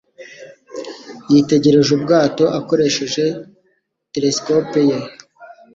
Yitegereje ubwato akoresheje telesikope ye.